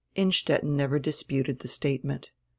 Innstetten never disputed the statement.